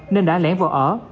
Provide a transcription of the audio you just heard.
nên đã lén vào ở